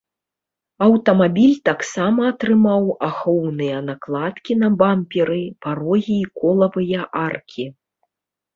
Аўтамабіль таксама атрымаў ахоўныя накладкі на бамперы, парогі і колавыя аркі.